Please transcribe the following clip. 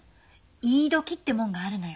言い時ってもんがあるのよ。